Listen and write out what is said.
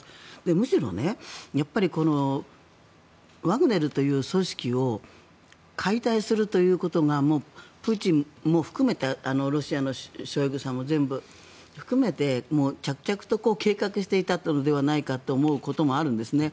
むしろ、ワグネルという組織を解体するということがもう、プーチンも含めたロシアのショイグさんも含めて着々と計画していたのではないかと思うこともあるんですね。